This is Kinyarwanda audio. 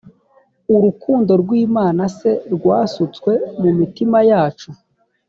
urukundo rw imana c rwasutswe mu mitima yacu